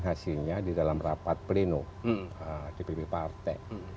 hasilnya di dalam rapat pleno dpp partai